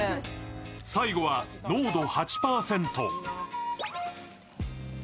最後は濃度８％。